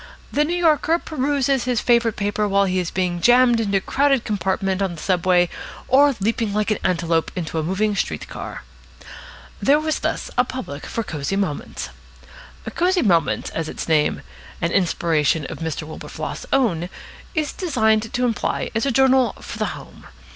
The New Yorker peruses his favourite paper while he is being jammed into a crowded compartment on the subway or leaping like an antelope into a moving Street car. There was thus a public for Cosy Moments. Cosy Moments, as its name (an inspiration of Mr. Wilberfloss's own) is designed to imply, is a journal for the home.